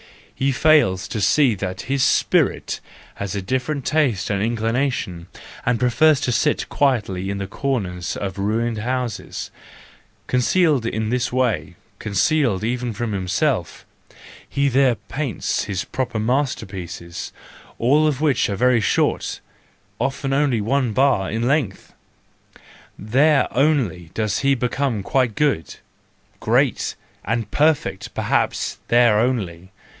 He fails to see that his spirit has a different taste and inclination, and prefers to sit quietly in the corners of ruined houses:—concealed in this way, concealed even from himself, he there paints his proper master¬ pieces, all of which are very short, often only one bar in length,—there only does he become quite 124 THE JOYFUL WISDOM, II good, great, and perfect, perhaps there only.